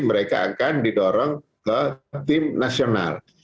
mereka akan didorong ke tim nasional